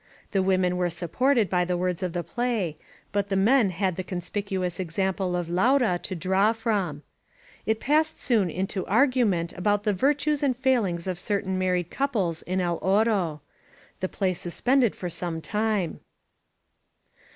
The women were supported by the words of the play, but the men had the conspicuous example of Laura to draw from. It passed soon into an ar^ toent about the virtues and failings of certain married couples in El Oro. The play suspended for some time.